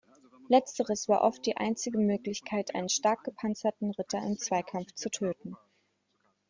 Letzteres war oft die einzige Möglichkeit, einen stark gepanzerten Ritter im Zweikampf zu töten.